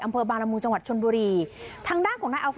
อำเพิบารัมมูลจังหวัดชลบุรีทางด้านของนาย